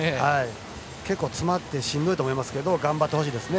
結構、詰まってしんどいと思いますけど頑張ってほしいですね。